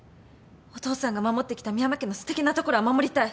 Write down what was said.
お父さんが守ってきた深山家のすてきなところは守りたい。